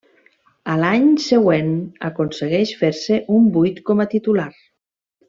A l'any següent aconsegueix fer-se un buit com a titular.